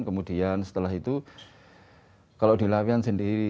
kemudian setelah itu kalau di lawean sendiri